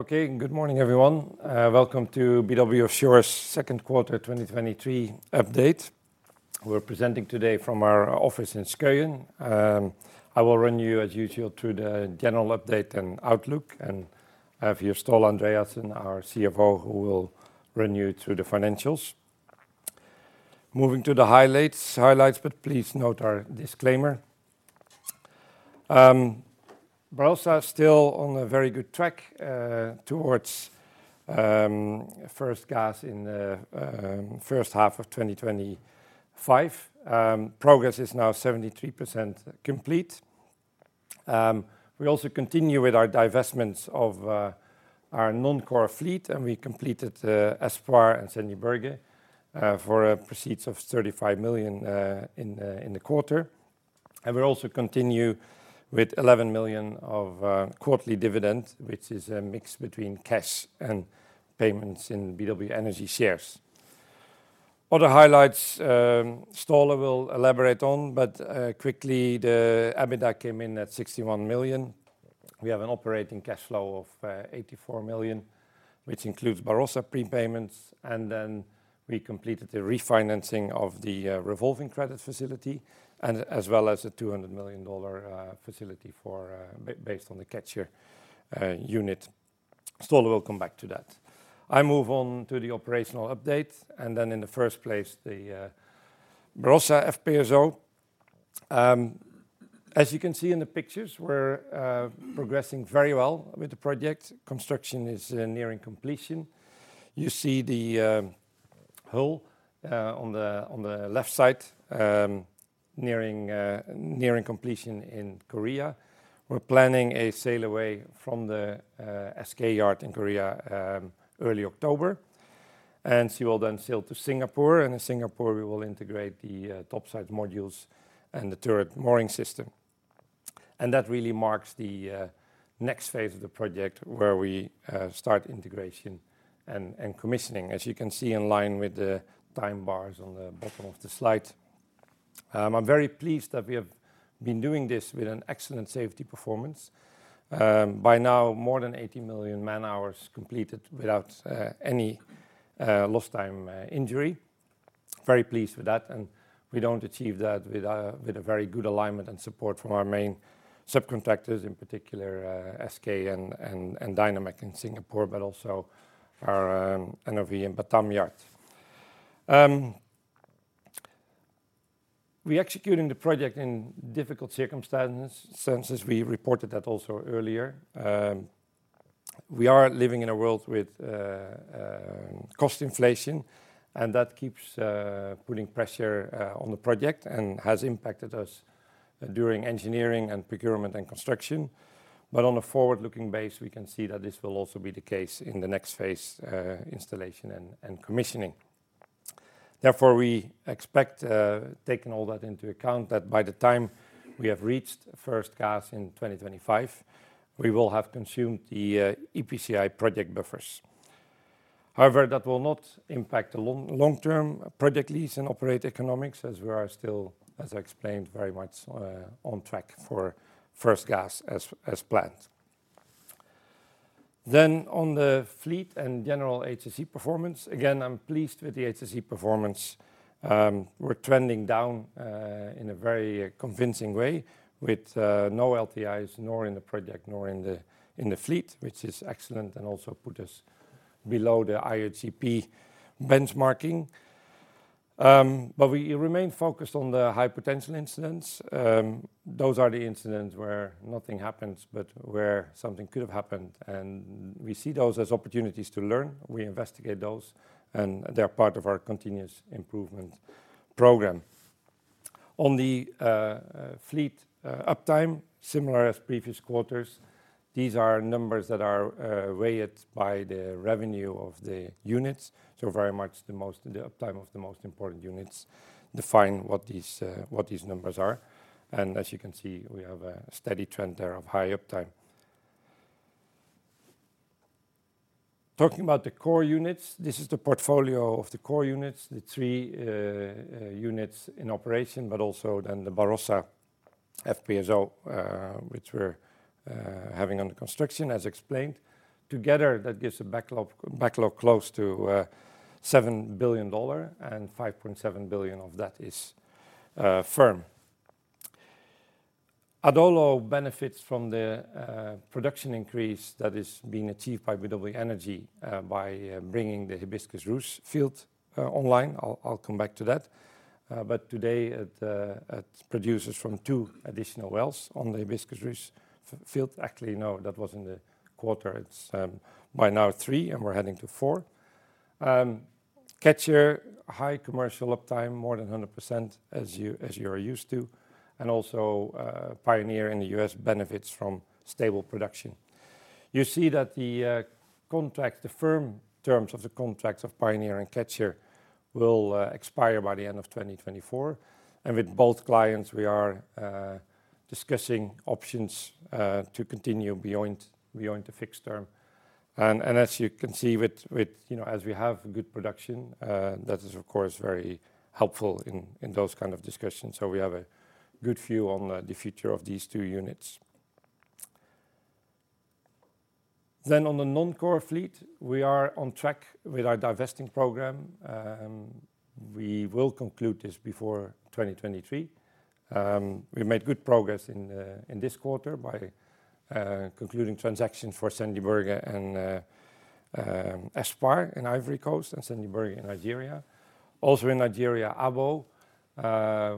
Okay, good morning, everyone. Welcome to BW Offshore's second quarter 2023 update. We're presenting today from our office in Skøyen. I will run you, as usual, through the general update and outlook, and I have here Ståle Andreassen, our CFO, who will run you through the financials. Moving to the highlights, but please note our disclaimer. Barossa is still on a very good track towards first gas in the first half of 2025. Progress is now 73% complete. We also continue with our divestments of our non-core fleet, and we completed Espoir and Sendje Berge for proceeds of $35 million in the quarter. We also continue with $11 million of quarterly dividend, which is a mix between cash and payments in BW Energy shares. Other highlights, Ståle will elaborate on, but, quickly, the EBITDA came in at $61 million. We have an operating cash flow of $84 million, which includes Barossa prepayments, and then we completed the refinancing of the revolving credit facility, and as well as a $200 million facility for based on the Catcher unit. Ståle will come back to that. I move on to the operational update, and then in the first place, the Barossa FPSO. As you can see in the pictures, we're progressing very well with the project. Construction is nearing completion. You see the hull on the left side nearing completion in Korea. We're planning a sail away from the SK yard in Korea early October, and she will then sail to Singapore. In Singapore, we will integrate the topside modules and the turret mooring system. That really marks the next phase of the project, where we start integration and commissioning, as you can see in line with the time bars on the bottom of the slide. I'm very pleased that we have been doing this with an excellent safety performance. By now, more than 80 million man-hours completed without any lost time injury. Very pleased with that, and we don't achieve that without a very good alignment and support from our main subcontractors, in particular, SK and Seatrium in Singapore, but also our NOV in Batam yard. We're executing the project in difficult circumstances, since we reported that also earlier. We are living in a world with cost inflation, and that keeps putting pressure on the project and has impacted us during engineering and procurement and construction. But on a forward-looking base, we can see that this will also be the case in the next phase, installation and, and commissioning. Therefore, we expect, taking all that into account, that by the time we have reached first gas in 2025, we will have consumed the EPCI project buffers. However, that will not impact the long, long-term project lease and operate economics, as we are still, as I explained, very much on track for first gas as, as planned. Then on the fleet and general HSE performance, again, I'm pleased with the HSE performance. We're trending down in a very convincing way with no LTIs, nor in the project, nor in the fleet, which is excellent and also put us below the IOGP benchmarking. But we remain focused on the high potential incidents. Those are the incidents where nothing happens, but where something could have happened, and we see those as opportunities to learn. We investigate those, and they are part of our continuous improvement program. On the fleet uptime, similar as previous quarters, these are numbers that are weighted by the revenue of the units. So very much the uptime of the most important units define what these numbers are. And as you can see, we have a steady trend there of high uptime. Talking about the core units, this is the portfolio of the core units, the three units in operation, but also then the Barossa FPSO, which we're having under construction, as explained. Together, that gives a backlog close to $7 billion, and $5.7 billion of that is firm. Adolo benefits from the production increase that is being achieved by BW Energy by bringing the Hibiscus/Ruche field online. I'll, I'll come back to that. But today, it produces from two additional wells on the Hibiscus/Ruche field. Actually, no, that was in the quarter. It's by now three, and we're heading to four. Catcher, high commercial uptime, more than 100%, as you, as you are used to, and also Pioneer in the US benefits from stable production. You see that the contract, the firm terms of the contracts of Pioneer and Catcher will expire by the end of 2024, and with both clients, we are discussing options to continue beyond the fixed term. And as you can see, with... You know, as we have good production, that is, of course, very helpful in those kind of discussions. So we have a good view on the future of these two units. Then on the non-core fleet, we are on track with our divesting program, we will conclude this before 2023. We made good progress in this quarter by concluding transactions for Sendje Berge and Espoir in Ivory Coast and Sendje Berge in Nigeria. Also in Nigeria, Abo,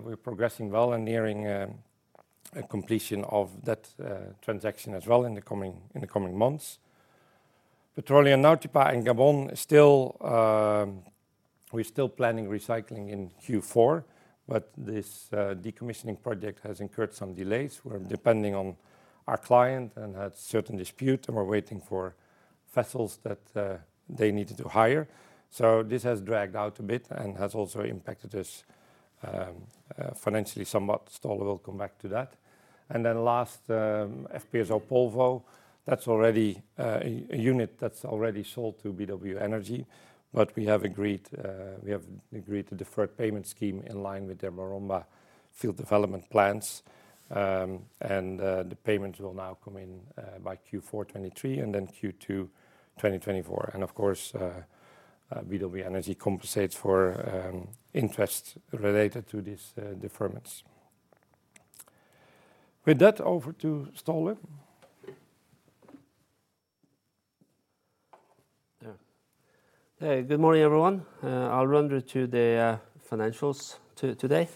we're progressing well and nearing a completion of that transaction as well in the coming months. Petróleo Nautipa in Gabon is still, we're still planning recycling in Q4, but this decommissioning project has incurred some delays. We're depending on our client and had certain dispute, and we're waiting for vessels that they needed to hire. So this has dragged out a bit and has also impacted us financially, somewhat. Ståle will come back to that. And then last, FPSO Polvo, that's already a unit that's already sold to BW Energy, but we have agreed to deferred payment scheme in line with their Maromba field development plans. And the payments will now come in by Q4 2023, and then Q2 2024. Of course, BW Energy compensates for interest related to these deferments. With that, over to Ståle. Yeah. Hey, good morning, everyone. I'll run you through the financials today.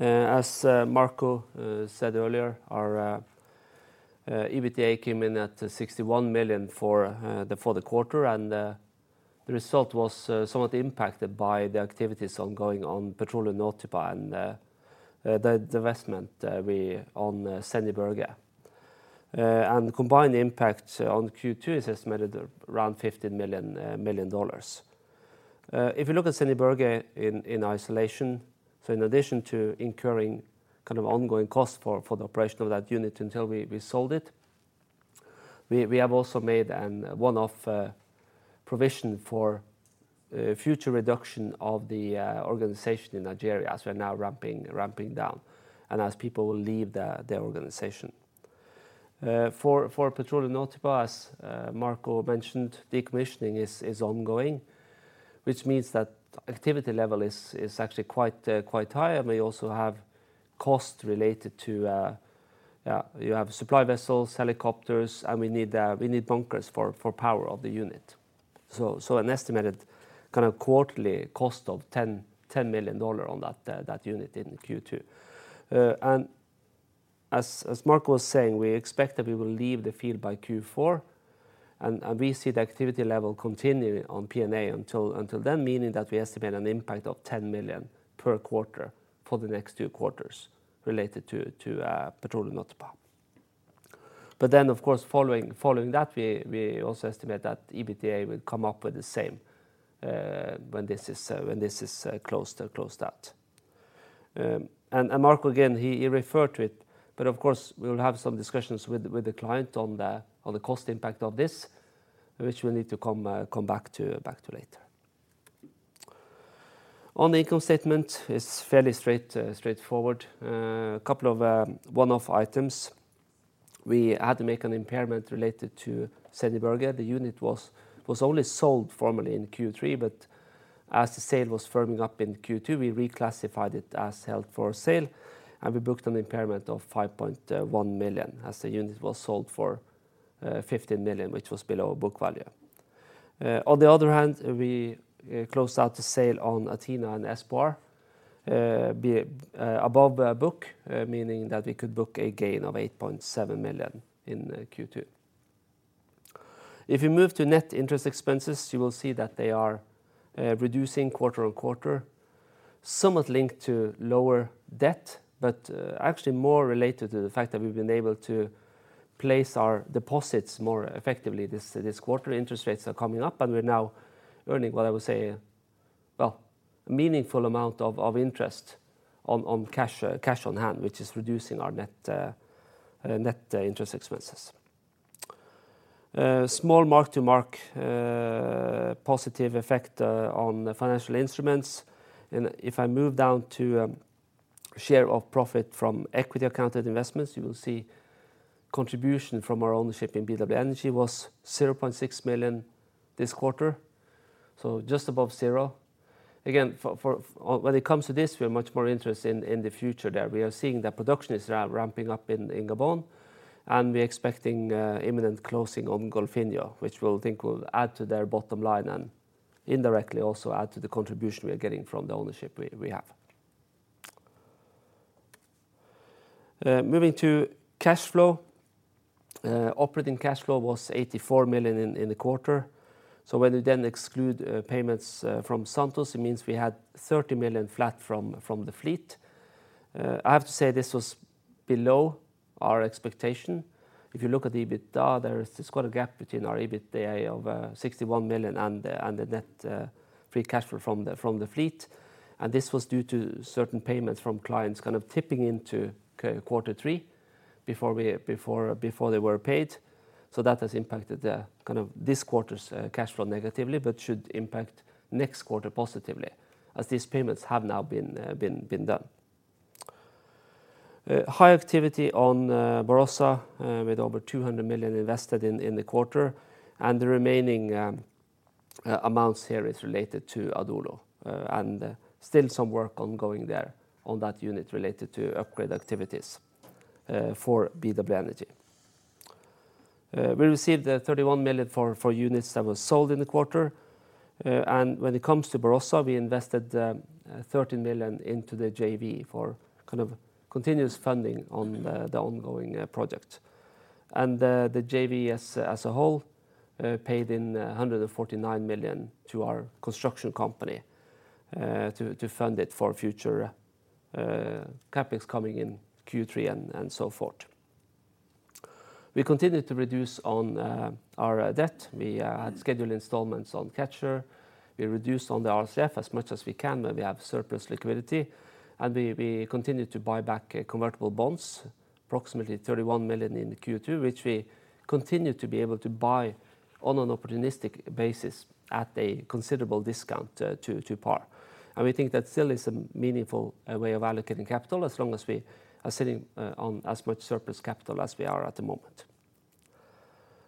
As Marco said earlier, our EBITDA came in at $61 million for the quarter, and the result was somewhat impacted by the activities ongoing on Petróleo Nautipa and the investment we on Sendje Berge. And the combined impact on Q2 is estimated around $15 million. If you look at Sendje Berge in isolation, so in addition to incurring kind of ongoing costs for the operation of that unit until we sold it, we have also made a one-off provision for future reduction of the organization in Nigeria, as we're now ramping down and as people will leave the organization. For Petróleo Nautipa, as Marco mentioned, decommissioning is ongoing, which means that activity level is actually quite high, and we also have costs related to... Yeah, you have supply vessels, helicopters, and we need bunkers for power of the unit. So an estimated kind of quarterly cost of $10 million on that unit in Q2. And as Marco was saying, we expect that we will leave the field by Q4, and we see the activity level continuing on PNA until then, meaning that we estimate an impact of $10 million per quarter for the next two quarters related to Petróleo Nautipa. But then, of course, following that, we also estimate that EBITDA will come up with the same, when this is closed out. And Marco, again, he referred to it, but of course, we'll have some discussions with the client on the cost impact of this, which we'll need to come back to later. On the income statement, it's fairly straightforward. A couple of one-off items. We had to make an impairment related to Sendje Berge. The unit was only sold formally in Q3, but as the sale was firming up in Q2, we reclassified it as held for sale, and we booked an impairment of $5.1 million, as the unit was sold for $15 million, which was below book value. On the other hand, we closed out the sale on Athena and Espoir, being above the book, meaning that we could book a gain of $8.7 million in Q2. If you move to net interest expenses, you will see that they are reducing quarter-on-quarter, somewhat linked to lower debt, but actually more related to the fact that we've been able to place our deposits more effectively this quarter. Interest rates are coming up, and we're now earning what I would say, well, a meaningful amount of interest on cash on hand, which is reducing our net interest expenses. Small mark-to-market positive effect on the financial instruments. And if I move down to share of profit from equity accounted investments, you will see contribution from our ownership in BW Energy was $0.6 million this quarter, so just above zero. Again, when it comes to this, we are much more interested in the future there. We are seeing that production is ramping up in Gabon, and we are expecting imminent closing on Golfinho, which we think will add to their bottom line and indirectly also add to the contribution we are getting from the ownership we have. Moving to cash flow. Operating cash flow was $84 million in the quarter. So when you then exclude payments from Santos, it means we had $30 million flat from the fleet. I have to say this was below our expectation. If you look at the EBITDA, there is quite a gap between our EBITDA of $61 million and the net free cash flow from the fleet, and this was due to certain payments from clients kind of tipping into quarter three before they were paid. So that has impacted this quarter's cash flow negatively, but should impact next quarter positively, as these payments have now been done. High activity on Barossa with over $200 million invested in the quarter, and the remaining amounts here is related to Adolo. And still some work ongoing there on that unit related to upgrade activities for BW Energy. We received $31 million for units that was sold in the quarter. When it comes to Barossa, we invested $13 million into the JV for kind of continuous funding on the ongoing project. The JV as a whole paid in $149 million to our construction company to fund it for future CapEx coming in Q3 and so forth. We continued to reduce on our debt. We had scheduled installments on Catcher. We reduced on the RCF as much as we can when we have surplus liquidity, and we continued to buy back convertible bonds, approximately $31 million in Q2, which we continue to be able to buy on an opportunistic basis at a considerable discount to par. And we think that still is a meaningful way of allocating capital, as long as we are sitting on as much surplus capital as we are at the moment.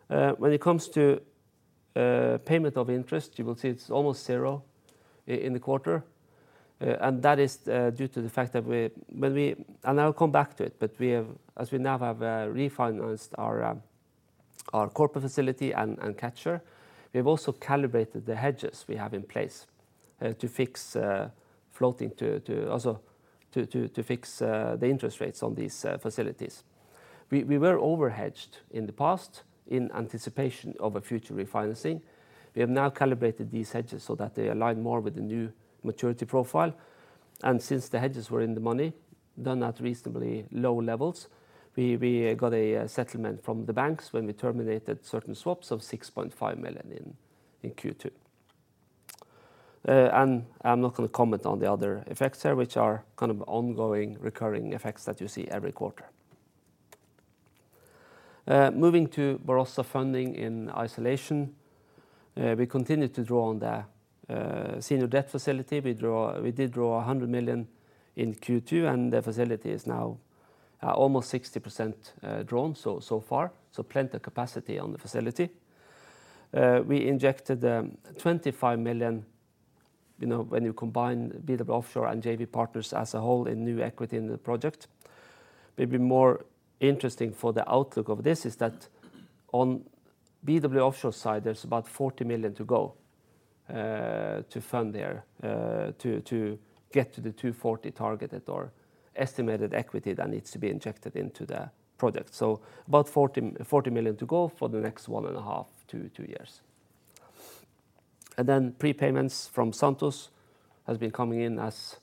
When it comes to payment of interest, you will see it's almost zero in the quarter. And that is due to the fact that we... And I'll come back to it, but we have, as we now have, refinanced our corporate facility and Catcher, we have also calibrated the hedges we have in place to fix floating to also fix the interest rates on these facilities. We were over-hedged in the past in anticipation of a future refinancing. We have now calibrated these hedges so that they align more with the new maturity profile. And since the hedges were in the money, done at reasonably low levels, we got a settlement from the banks when we terminated certain swaps of $6.5 million in Q2. And I'm not going to comment on the other effects here, which are kind of ongoing, recurring effects that you see every quarter. Moving to Barossa funding in isolation, we continued to draw on the senior debt facility. We did draw $100 million in Q2, and the facility is now almost 60%, drawn, so far, so plenty of capacity on the facility. We injected $25 million, you know, when you combine BW Offshore and JV partners as a whole in new equity in the project. Maybe more interesting for the outlook of this is that on BW Offshore side, there's about $40 million to go to fund their to get to the $240 targeted or estimated equity that needs to be injected into the project. So about $40 million to go for the next 1.5-2 years. And then prepayments from Santos has been coming in as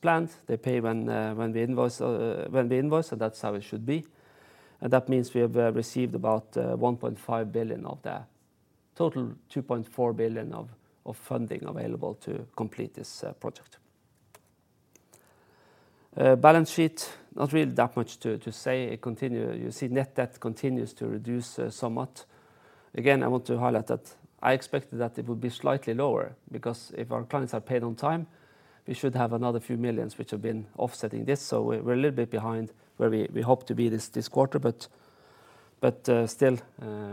planned. They pay when we invoice, so that's how it should be. And that means we have received about $1.5 billion of the total $2.4 billion of funding available to complete this project. Balance sheet, not really that much to say. It continues. You see net debt continues to reduce somewhat. Again, I want to highlight that I expected that it would be slightly lower, because if our clients are paid on time, we should have another few million USD, which have been offsetting this. So we're a little bit behind where we hope to be this quarter, but still,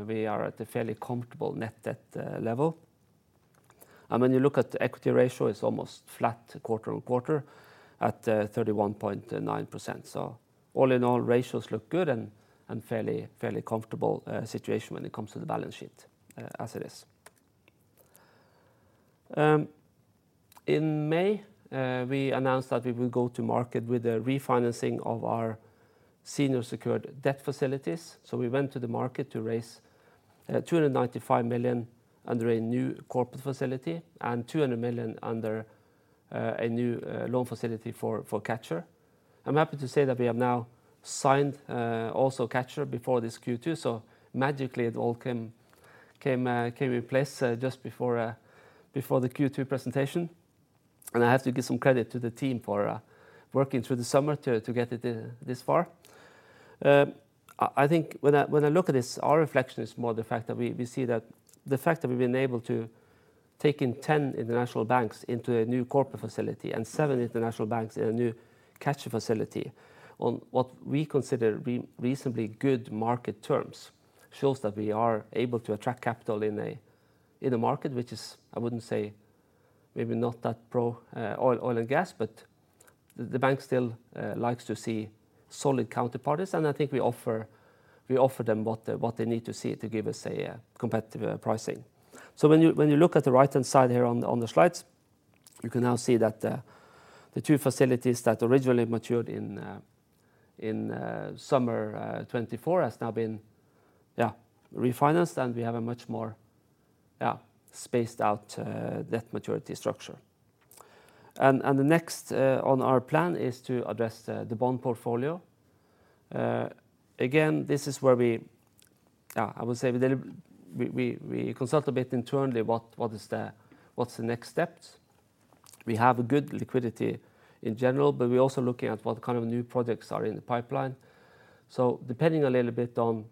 we are at a fairly comfortable net debt level. And when you look at the equity ratio, it's almost flat quarter-over-quarter at 31.9%. So all in all, ratios look good and fairly comfortable situation when it comes to the balance sheet, as it is. In May, we announced that we will go to market with a refinancing of our senior secured debt facilities. So we went to the market to raise $295 million under a new corporate facility and $200 million under a new loan facility for Catcher. I'm happy to say that we have now signed also Catcher before this Q2. So magically, it all came in place just before the Q2 presentation. And I have to give some credit to the team for working through the summer to get it this far. I think when I look at this, our reflection is more the fact that we see that the fact that we've been able to take in 10 international banks into a new corporate facility and 7 international banks in a new Catcher facility on what we consider reasonably good market terms, shows that we are able to attract capital in a market, which is, I wouldn't say, maybe not that pro oil and gas, but the bank still likes to see solid counterparties, and I think we offer them what they need to see to give us a competitive pricing. So when you look at the right-hand side here on the slides, you can now see that the two facilities that originally matured in summer 2024 has now been refinanced, and we have a much more spaced out debt maturity structure. And the next on our plan is to address the bond portfolio. Again, this is where we, I would say we deliver, we, we, we consult a bit internally what is the, what's the next steps. We have a good liquidity in general, but we're also looking at what kind of new projects are in the pipeline.... So depending a little bit on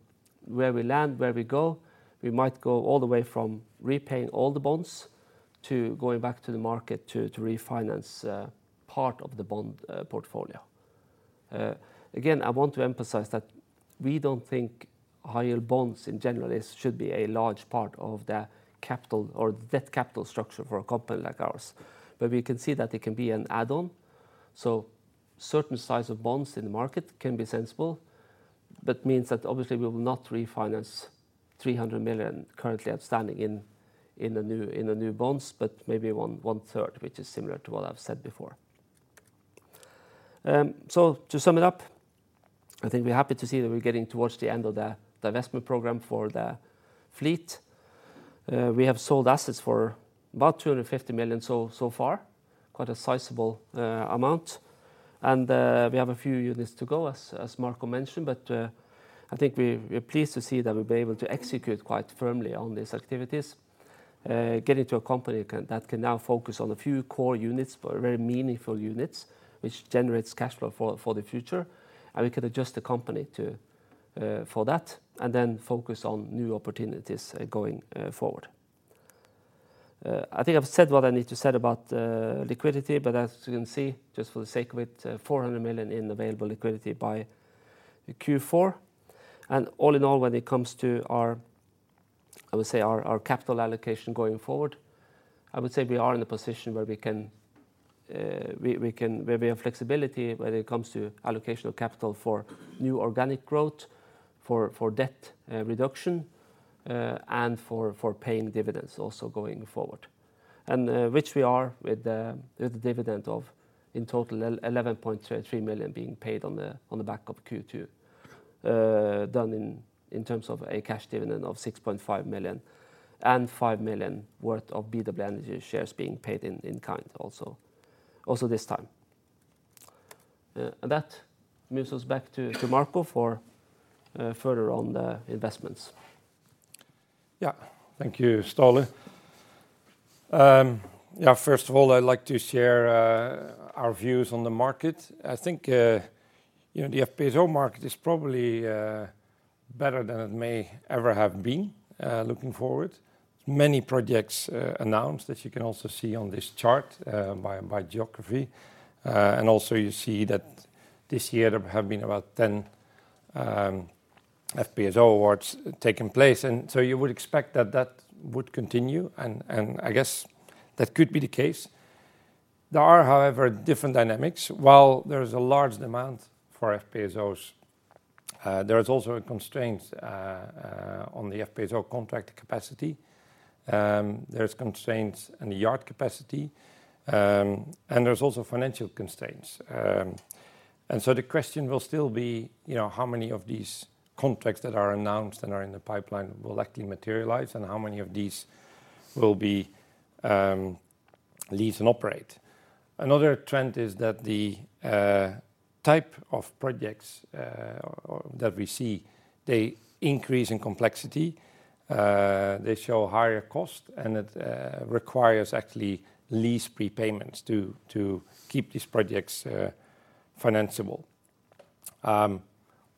where we land, where we go, we might go all the way from repaying all the bonds to going back to the market to refinance part of the bond portfolio. Again, I want to emphasize that we don't think high-yield bonds in general should be a large part of the capital or debt capital structure for a company like ours. But we can see that it can be an add-on, so certain size of bonds in the market can be sensible. That means that obviously we will not refinance $300 million currently outstanding in the new bonds, but maybe one-third, which is similar to what I've said before. So to sum it up, I think we're happy to see that we're getting towards the end of the divestment program for the fleet. We have sold assets for about $250 million so far, quite a sizable amount. We have a few units to go, as Marco mentioned, but I think we're pleased to see that we'll be able to execute quite firmly on these activities. Getting to a company that can now focus on a few core units, but very meaningful units, which generates cash flow for the future, and we can adjust the company for that, and then focus on new opportunities going forward. I think I've said what I need to said about liquidity, but as you can see, just for the sake of it, $400 million in available liquidity by Q4. All in all, when it comes to our, I would say, our capital allocation going forward, I would say we are in a position where we can, we can where we have flexibility when it comes to allocation of capital for new organic growth, for debt reduction, and for paying dividends also going forward. And which we are with the dividend of, in total, $11.33 million being paid on the back of Q2, done in terms of a cash dividend of $6.5 million and $5 million worth of BW Energy shares being paid in kind also this time. That moves us back to Marco for further on the investments. Yeah. Thank you, Ståle. Yeah, first of all, I'd like to share our views on the market. I think, you know, the FPSO market is probably better than it may ever have been, looking forward. Many projects announced, as you can also see on this chart, by, by geography. And also you see that this year, there have been about 10 FPSO awards taking place, and so you would expect that that would continue, and, and I guess that could be the case. There are, however, different dynamics. While there is a large demand for FPSOs, there is also a constraint on the FPSO contract capacity, there's constraints on the yard capacity, and there's also financial constraints. And so the question will still be, you know, how many of these contracts that are announced and are in the pipeline will actually materialize, and how many of these will be lease and operate? Another trend is that the type of projects that we see, they increase in complexity, they show higher cost, and it requires actually lease prepayments to keep these projects financeable.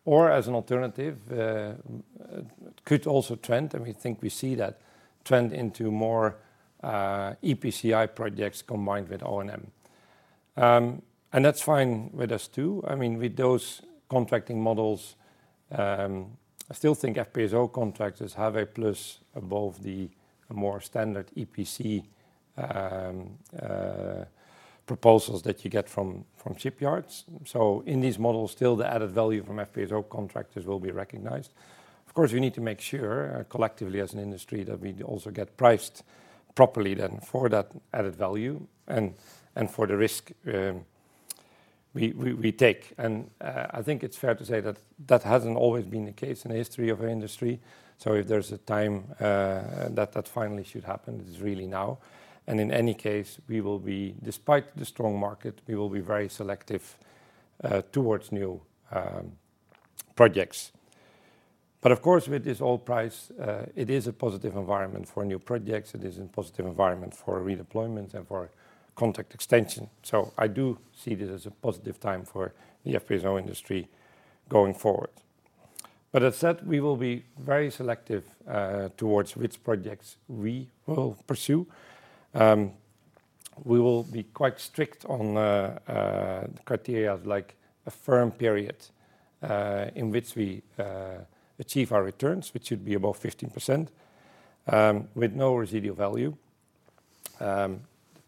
Or as an alternative, could also trend, and we think we see that trend into more EPCI projects combined with O&M. And that's fine with us, too. I mean, with those contracting models, I still think FPSO contractors have a plus above the more standard EPC proposals that you get from shipyards. So in these models, still, the added value from FPSO contractors will be recognized. Of course, we need to make sure, collectively as an industry, that we also get priced properly then for that added value and for the risk we take. I think it's fair to say that that hasn't always been the case in the history of our industry. So if there's a time that that finally should happen, it is really now. And in any case, we will be, despite the strong market, very selective towards new projects. But of course, with this oil price, it is a positive environment for new projects. It is a positive environment for redeployment and for contract extension. So I do see this as a positive time for the FPSO industry going forward. But as said, we will be very selective towards which projects we will pursue. We will be quite strict on the criteria of, like, a firm period in which we achieve our returns, which would be above 15% with no residual value.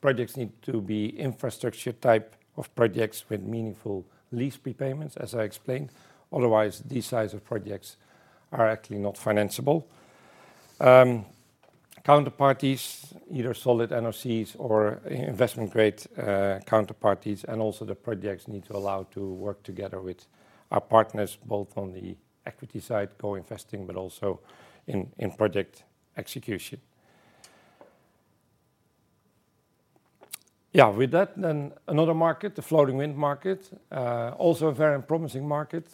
Projects need to be infrastructure type of projects with meaningful lease prepayments, as I explained. Otherwise, these size of projects are actually not financeable. Counterparties, either solid NOCs or investment-grade counterparties, and also the projects need to allow to work together with our partners, both on the equity side, co-investing, but also in project execution. Yeah, with that, then another market, the floating wind market also a very promising market.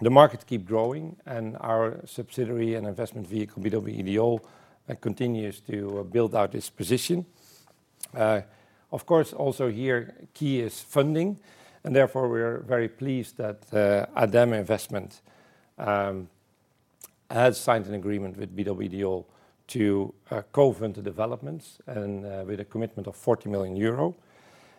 The market keep growing, and our subsidiary and investment vehicle, BW Ideol, continues to build out its position. Of course, also here, key is funding, and therefore we're very pleased that ADEME Investissement has signed an agreement with BW Ideol to co-venture developments and with a commitment of 40 million euro.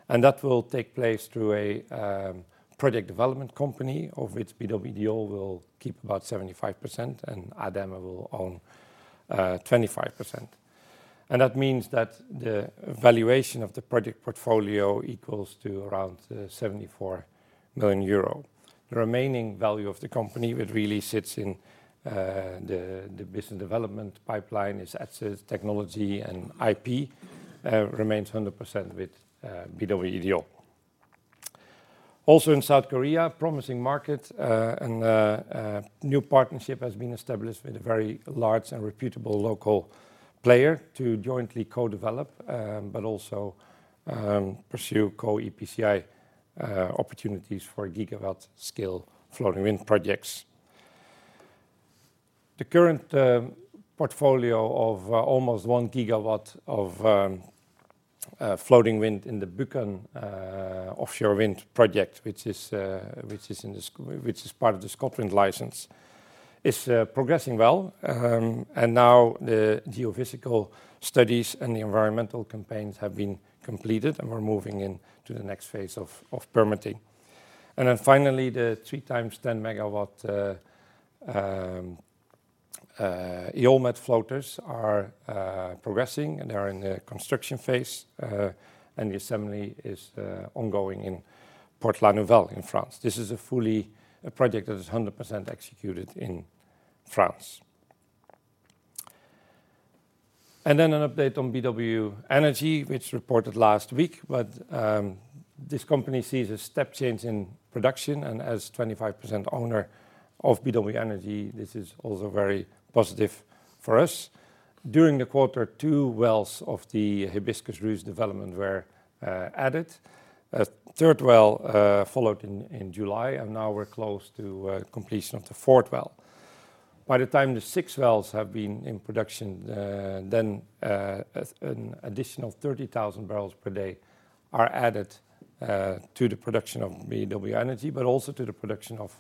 That will take place through a project development company, of which BW Ideol will keep about 75% and ADEME will own 25%. That means that the valuation of the project portfolio equals to around 74 million euro. The remaining value of the company, which really sits in the business development pipeline, its assets, technology, and IP, remains 100% with BW Ideol. Also, in South Korea, promising market, and a new partnership has been established with a very large and reputable local player to jointly co-develop, but also pursue co-EPCI opportunities for gigawatt-scale floating wind projects. The current portfolio of almost 1 GW of floating wind in the Buchan offshore wind project, which is part of the Scotland license, is progressing well. Now the geophysical studies and the environmental campaigns have been completed, and we're moving into the next phase of permitting. Then finally, the 3 times 10 MW EolMed floaters are progressing, and they are in the construction phase, and the assembly is ongoing in Port-la-Nouvelle in France. This is a project that is 100% executed in France. Then an update on BW Energy, which reported last week, but this company sees a step change in production, and as 25% owner of BW Energy, this is also very positive for us. During the quarter, two wells of the Hibiscus/Ruche development were added. A third well followed in July, and now we're close to completion of the fourth well. By the time the six wells have been in production, then an additional 30,000 barrels per day are added to the production of BW Energy, but also to the production of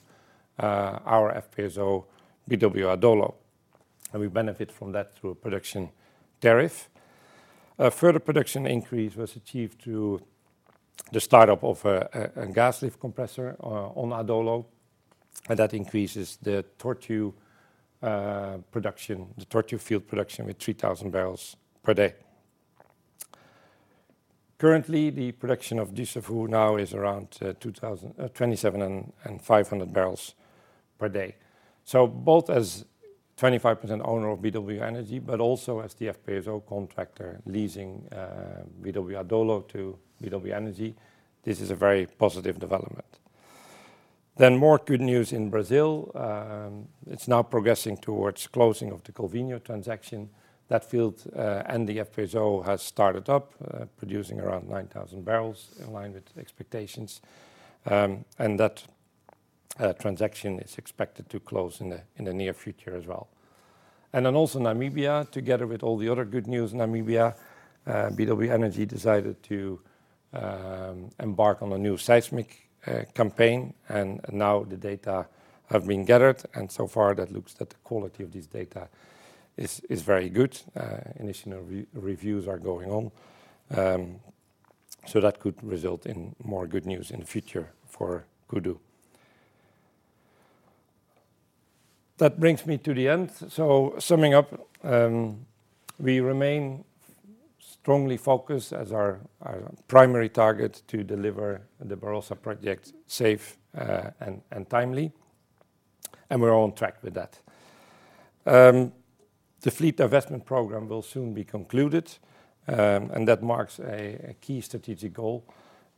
our FPSO, BW Adolo, and we benefit from that through a production tariff. A further production increase was achieved through the startup of a gas lift compressor on Adolo, and that increases the Tortue production, the Tortue field production with 3,000 barrels per day. Currently, the production of Dussafu now is around 2,027 and 500 barrels per day. So both as 25% owner of BW Energy, but also as the FPSO contractor leasing BW Adolo to BW Energy, this is a very positive development. Then more good news in Brazil. It's now progressing towards closing of the Calvinia transaction. That field and the FPSO has started up producing around 9,000 barrels in line with expectations. And that transaction is expected to close in the near future as well. And then also Namibia, together with all the other good news in Namibia, BW Energy decided to embark on a new seismic campaign, and now the data have been gathered, and so far that looks that the quality of this data is very good. Initial reviews are going on. So that could result in more good news in the future for Kudu. That brings me to the end. So summing up, we remain strongly focused as our primary target to deliver the Barossa project safe, and timely, and we're on track with that. The fleet investment program will soon be concluded, and that marks a key strategic goal.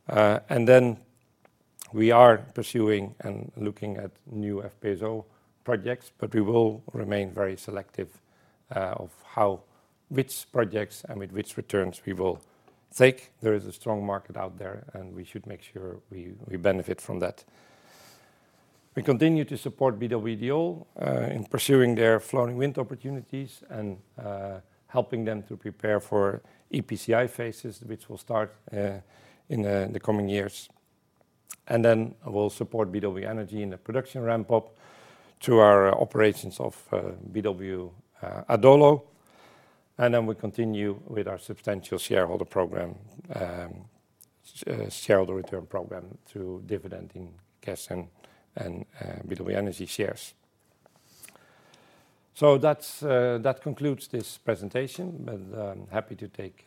And then we are pursuing and looking at new FPSO projects, but we will remain very selective of which projects and with which returns we will take. There is a strong market out there, and we should make sure we benefit from that. We continue to support BW Ideol in pursuing their floating wind opportunities and helping them to prepare for EPCI phases, which will start in the coming years. And then we'll support BW Energy in the production ramp-up through our operations of BW Adolo. And then we continue with our substantial shareholder program, shareholder return program through dividend in cash and BW Energy shares. So that's that concludes this presentation, but I'm happy to take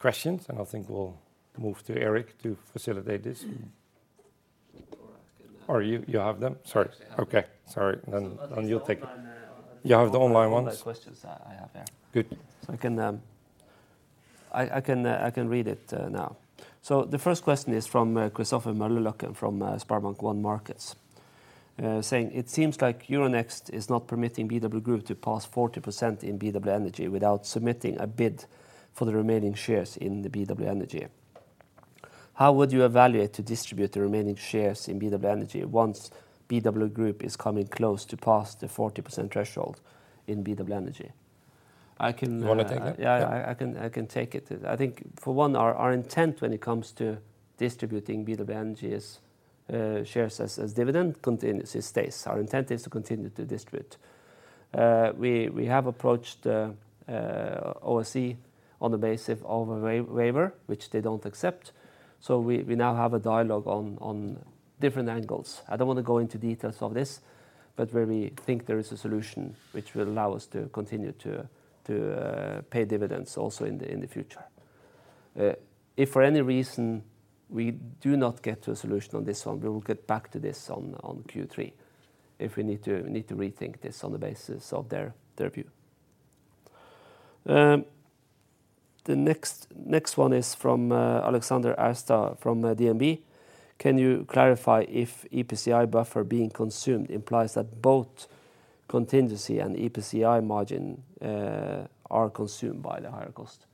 questions, and I think we'll move to Eric to facilitate this. All right. Or you, you have them? Sorry. Actually, I have them. Okay. Sorry. Then you'll take-... I'll take the online, You have the online ones? The online questions that I have there. Good. So I can read it now. So the first question is from Christopher Mallolock from SpareBank 1 Markets, saying: It seems like Euronext is not permitting BW Group to pass 40% in BW Energy without submitting a bid for the remaining shares in the BW Energy. How would you evaluate to distribute the remaining shares in BW Energy once BW Group is coming close to pass the 40% threshold in BW Energy? I can You want to take that? Yeah, I can take it. I think, for one, our intent when it comes to distributing BW Energy's shares as dividend continues, it stays. Our intent is to continue to distribute. We have approached OSE on the basis of a waiver, which they don't accept, so we now have a dialogue on different angles. I don't want to go into details of this, but where we think there is a solution which will allow us to continue to pay dividends also in the future. If for any reason we do not get to a solution on this one, we will get back to this on Q3, if we need to, we need to rethink this on the basis of their view. The next one is from Alexander Aukner from DNB: Can you clarify if EPCI buffer being consumed implies that both contingency and EPCI margin are consumed by the higher cost?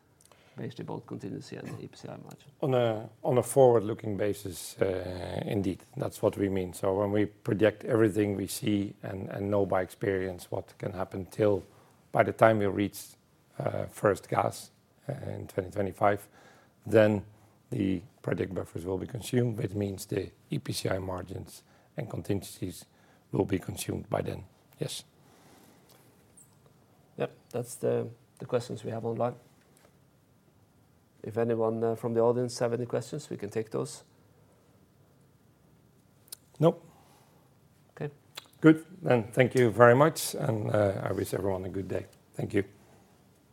Basically, both contingency and EPCI margin. On a forward-looking basis, indeed, that's what we mean. So when we project everything we see and know by experience what can happen till by the time we reach first gas in 2025, then the project buffers will be consumed, which means the EPCI margins and contingencies will be consumed by then. Yes. Yep, that's the questions we have online. If anyone from the audience have any questions, we can take those. Nope. Okay. Good, then thank you very much, and, I wish everyone a good day. Thank you.